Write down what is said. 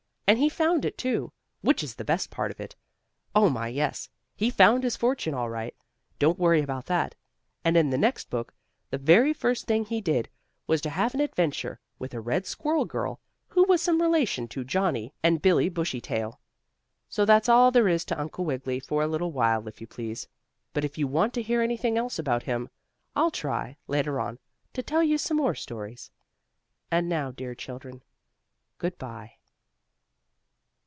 And he found it, too, which is the best part of it. Oh, my yes! He found his fortune all right. Don't worry about that. And in the next book, the very first thing he did, was to have an adventure with a red squirrel girl, who was some relation to Johnnie and Billie Bushytail. So that's all there is to Uncle Wiggily, for a little while, if you please, but if you want to hear anything else about him I'll try, later on, to tell you some more stories. And now, dear children, good bye.